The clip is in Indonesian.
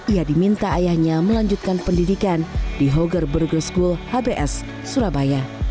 ia diminta ayahnya melanjutkan pendidikan di hoger burger school hbs surabaya